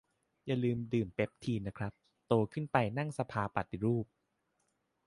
อย่าลืมดื่มเปปทีนนะครับ โตขึ้นไปนั่งสภาปฏิรูป